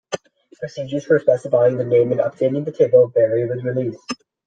Procedures for specifying the name and updating the table vary with release.